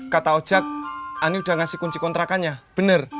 kata ojak ani udah ngasih kunci kontrakannya bener